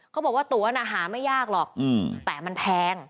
เขาบอกว่าตัวน่ะหาไม่ยากหรอกแต่มันแพง